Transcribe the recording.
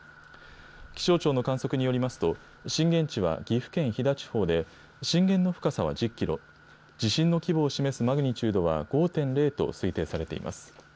気象庁の観測によりますと、震源地は岐阜県飛騨地方で、震源の深さは１０キロ、地震の規模を示すマグニチュードは５．０と推定されています。